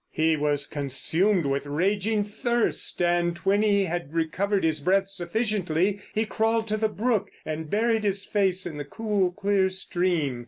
He was consumed with raging thirst, and when he had recovered his breath sufficiently, he crawled to the brook and buried his face in the cool, clear stream.